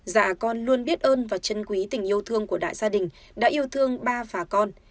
dạ con luôn biết ơn và chân quý tình yêu thương của đại gia đình đã yêu thương ba và con